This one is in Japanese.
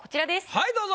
はいどうぞ。